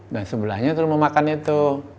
dan sebelahnya terus mau makan itu